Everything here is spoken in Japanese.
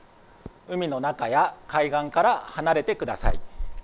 海の中や海岸から離れてください。